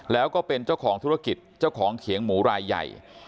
แล้วก็เป็นเจ้าของธุรกิจเจ้าของเขียงหมูรายใหญ่